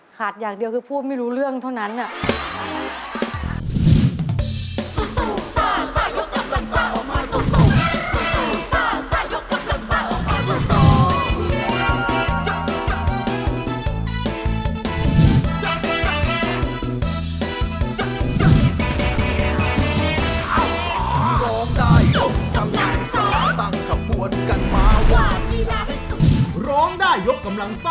อย่างเดียวคือพูดไม่รู้เรื่องเท่านั้น